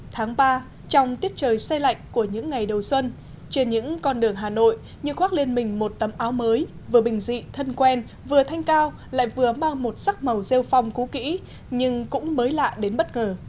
tháng ba trong tiết trời xe lạnh của những ngày đầu xuân trên những con đường hà nội như khoác lên mình một tấm áo mới vừa bình dị thân quen vừa thanh cao lại vừa mang một sắc màu rêu phong cú kỹ nhưng cũng mới lạ đến bất ngờ